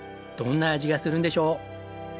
どんな味がするんでしょう？